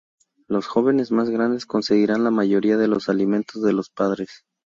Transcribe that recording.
Los jóvenes más grandes conseguirán la mayoría de los alimentos de los padres.